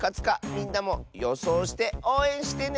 みんなもよそうしておうえんしてね！